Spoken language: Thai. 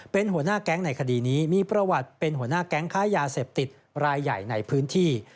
เป็นหัวหน้าแก๊งในคดีนี้มีประวัติเป็นหัวหน้าแก๊งค้ายาเสพติดรายใหญ่ในพื้นที่